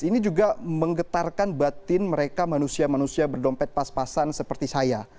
ini juga menggetarkan batin mereka manusia manusia berdompet pas pasan seperti saya